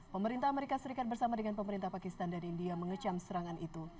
pemerintah amerika serikat bersama dengan pemerintah pakistan dan india mengecam serangan itu